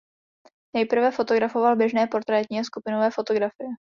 Nejprve fotografoval běžné portrétní a skupinové fotografie.